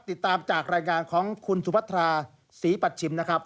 ติดตามจากรายงานของคุณสุพัทราศรีปัชชิมนะครับ